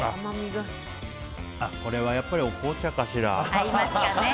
これはやっぱり、お紅茶かしら。